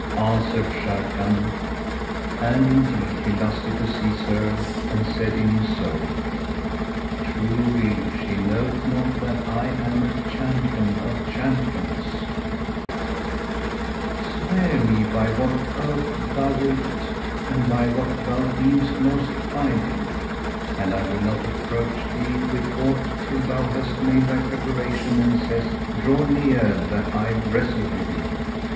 Answered Sharrkan (and indeed he lusted to seize her and said in his soul, "Truly she knoweth not that I am a champion of champions"); "Swear me by what oath thou wilt and by what thou deemest most binding, and I will not approach thee with aught till thou hast made thy preparation and sayest, 'Draw near that I wrestle with thee.'